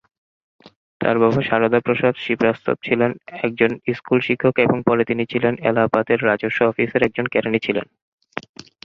তার বাবা সারদা প্রসাদ শ্রীবাস্তব ছিলেন একজন স্কুল শিক্ষক এবং পরে তিনি ছিলেন এলাহাবাদের রাজস্ব অফিসের একজন কেরানি ছিলেন।